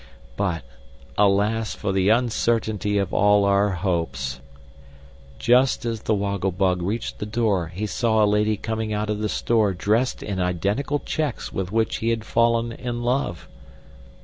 But, alas for the uncertainty of all our hopes! Just as the Woggle Bug reached the door he saw a lady coming out of the store dressed in identical checks with which he had fallen in love!